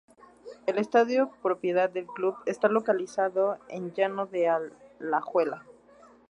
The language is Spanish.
El estadio, propiedad del Club, está localizado en el Llano de Alajuela.